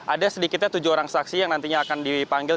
ada sedikitnya tujuh orang saksi yang nantinya akan dipanggil